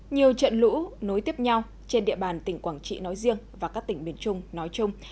nhiều trận lũ nối tiếp nhau trên địa bàn tỉnh quảng trị nói riêng và các tỉnh miền trung nói chung